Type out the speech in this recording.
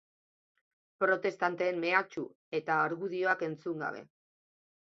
Protestanteen mehatxu eta argudioak entzun gabe.